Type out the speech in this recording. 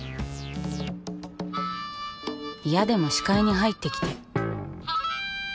嫌でも視界に入ってきて。